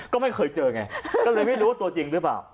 ก็ไม่เคยเจอไงก็เลยไม่รู้ว่าตัวจริงหรือเปล่า